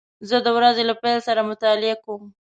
زه د ورځې له پیل سره مطالعه کوم.